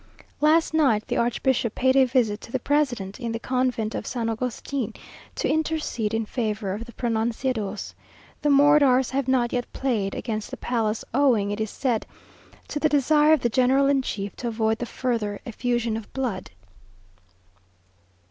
Last night the archbishop paid a visit to the president, in the convent of San Agustin, to intercede in favour of the pronunciados. The mortars have not yet played against the palace, owing, it is said, to the desire of the general in chief to avoid the further effusion of blood.